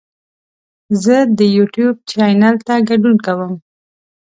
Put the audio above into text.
زه د یوټیوب چینل ته ګډون کوم.